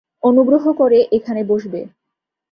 অনুগ্রহ করে এখানে বসবে!